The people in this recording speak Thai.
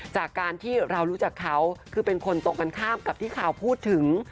จากการที่เรารู้จักเขาคือเป็นคนตรงกันข้ามกับที่ข่าวพูดถึง